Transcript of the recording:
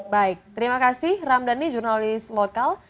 baik terima kasih ramdhani jurnalis lokal